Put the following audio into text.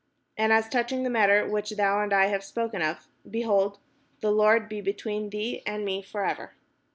And as touching the matter which thou and I have spoken of, behold, the Lord be between thee and me for ever."